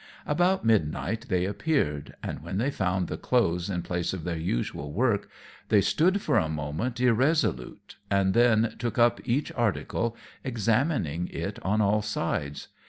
About midnight they appeared; and when they found the clothes in place of their usual work, they stood for a moment irresolute, and then took up each article, examining it on all sides.